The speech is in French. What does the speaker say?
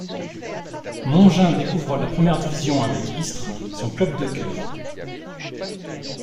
Mongin découvre la première division avec Istres, son club de cœur.